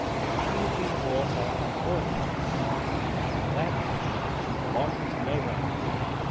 She had been brought up in the work house; after that she belonged to no one.